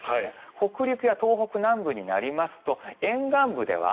北陸や東北南部になりますと沿岸部では雨。